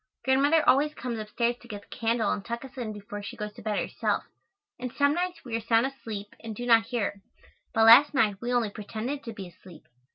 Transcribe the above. Grandmother always comes upstairs to get the candle and tuck us in before she goes to bed herself, and some nights we are sound asleep and do not hear her, but last night we only pretended to be asleep.